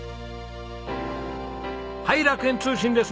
はい楽園通信です。